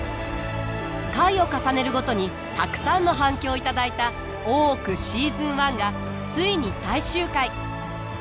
回を重ねるごとにたくさんの反響を頂いた「大奥」シーズン１がついに最終回。